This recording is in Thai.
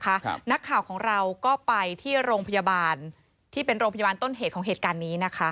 นักข่าวของเราก็ไปที่โรงพยาบาลที่เป็นโรงพยาบาลต้นเหตุของเหตุการณ์นี้นะคะ